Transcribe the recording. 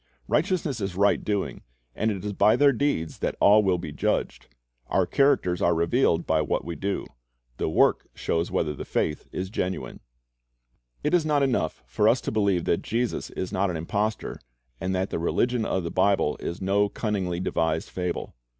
Righteousness is right doing, and it is by their deeds that all wi'.l be judged. Our characters are revealed by what we do. The works show whether the faith is genuine. It is not enough for us to believe that Jesus is not an impostor, and that the religion of the Bible is no cunningly devised fable.